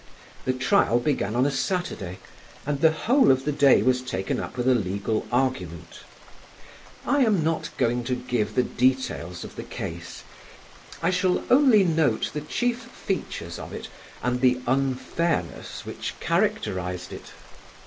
The trial began on a Saturday and the whole of the day was taken up with a legal argument. I am not going to give the details of the case. I shall only note the chief features of it and the unfairness which characterised it.